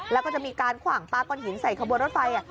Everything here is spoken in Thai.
แล้วก็จะมีการขวางปลาก้อนหินใส่ขบวนรถไฟ